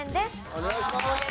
お願いします！